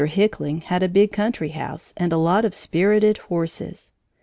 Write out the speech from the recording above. Hickling had a big country house and a lot of spirited horses.